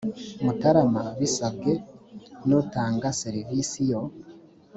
mutarama bisabwe n utanga serivisi yo